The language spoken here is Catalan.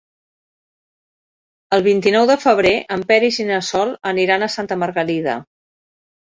El vint-i-nou de febrer en Peris i na Sol aniran a Santa Margalida.